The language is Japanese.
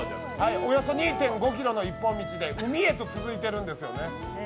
およそ２．５ｋｍの一本道で海へと続いているんですよね。